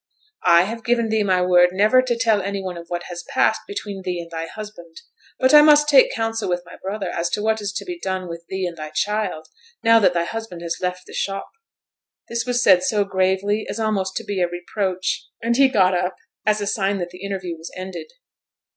'I have given thee my word never to tell any one of what has passed between thee and thy husband, but I must take counsel with my brother as to what is to be done with thee and thy child, now that thy husband has left the shop.' This was said so gravely as almost to be a reproach, and he got up, as a sign that the interview was ended.